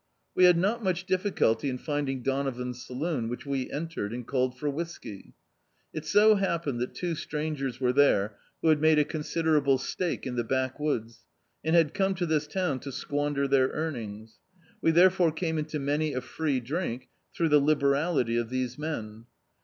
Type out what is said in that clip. We had not much difficulty in finding Donovan's saloon, which we entered, and called for whiskey. It so happened that two strangers were there, who had made a considerable stake in the backwoods, and had come to this town to squander their earn ings. We therefore came into many a free drink, throu^ the liberality of these men.